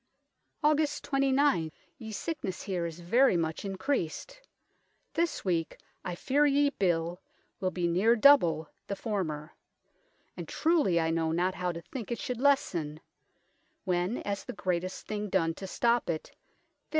" Aug. 29. Ye sicknes here is very much in creased : this weeke I feare ye bill wilbee neere double the former ; and truely I know not how to thinke it should lessen, when as the greatest thing done to stop it, vizt.